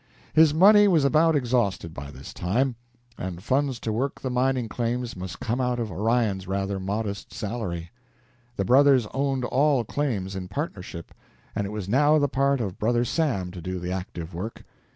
His money was about exhausted by this time, and funds to work the mining claims must come out of Orion's rather modest salary. The brothers owned all claims in partnership, and it was now the part of "Brother Sam" to do the active work.